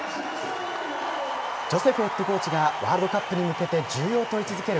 ジョセフヘッドコーチがワールドカップに向けて重要と位置づける